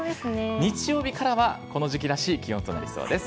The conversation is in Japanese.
日曜日からはこの時期らしい気温となりそうです。